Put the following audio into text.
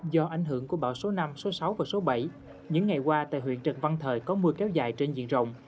do ảnh hưởng của bão số năm số sáu và số bảy những ngày qua tại huyện trần văn thời có mưa kéo dài trên diện rộng